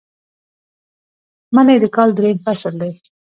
منی د کال دریم فصل دی